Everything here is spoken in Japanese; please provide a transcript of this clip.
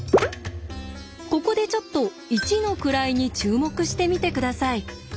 ここでちょっと１の位に注目してみて下さい。